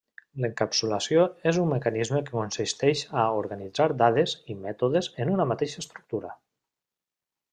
L'encapsulació és un mecanisme que consisteix a organitzar dades i mètodes en una mateixa estructura.